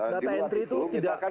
data entry itu tidak